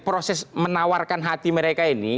proses menawarkan hati mereka ini